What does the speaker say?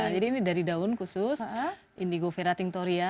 jadi ini dari daun khusus indigo ferratinctoria